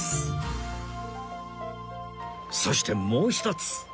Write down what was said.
そしてもう一つ